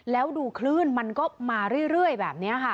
แล้วดูคลื่นมันก็มาเรื่อยแบบนี้ค่ะ